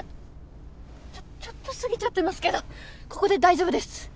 ちょっと過ぎちゃってますけどここで大丈夫です。